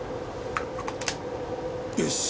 よし！